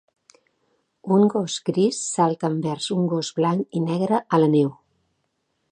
Un gos gris salta envers un gos blanc i negre a la neu.